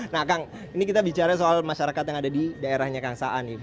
nah kang ini kita bicara soal masyarakat yang ada di daerahnya kang saan